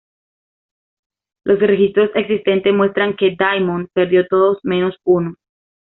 Los registros existentes muestran que Diamond perdió todos menos uno.